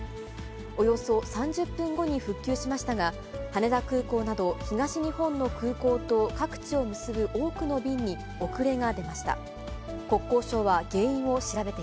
およそ３０分後に復旧しましたが、羽田空港など、東日本の空港と各地を結ぶ多くの便に遅れが出ました。